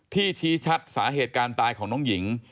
ชี้ชัดสาเหตุการณ์ตายของน้องหญิง